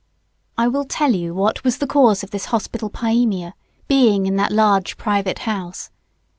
] I will tell you what was the cause of this hospital pyaemia being in that large private house.